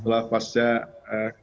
setelah fasca kembali ke bumn ya